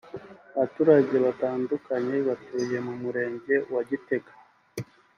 Abaturage batandukanye batuye mu Murenge wa Gitega